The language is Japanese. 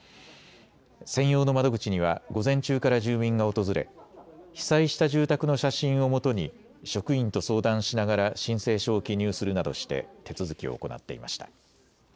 専用窓口には午前中から住民が訪れ被災した住宅の写真をもとに職員と相談しながら申請書を記入するなどして手続きを行っていました。